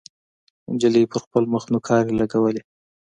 نجلۍ پر خپل مخ نوکارې لګولې.